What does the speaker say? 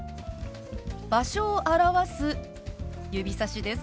場所を表す指さしです。